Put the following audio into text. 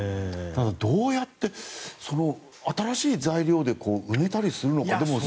どうやって新しい材料で埋めたりするのか。